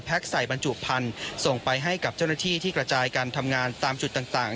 ใส่บรรจุพันธุ์ส่งไปให้กับเจ้าหน้าที่ที่กระจายการทำงานตามจุดต่าง